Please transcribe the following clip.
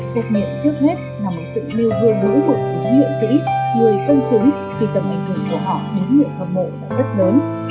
trách nhiệm trước hết là một sự lưu gương lũ hụt của các nghệ sĩ người công chứng vì tầm ảnh hưởng của họ đến người hâm mộ là rất lớn